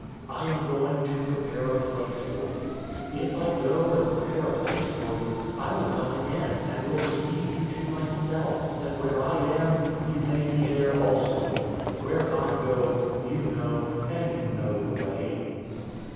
I am going to prepare a place for you. 014:003 If I go and prepare a place for you, I will come again, and will receive you to myself; that where I am, you may be there also. 014:004 Where I go, you know, and you know the way."